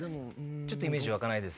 ちょっとイメージ湧かないです？